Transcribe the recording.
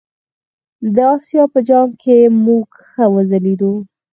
د آسیا په جام کې موږ ښه وځلیدو.